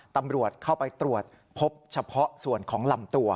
ตำรวจเข้าไปตรวจพบเฉพาะส่วนของลำตัว